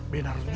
benar juga kau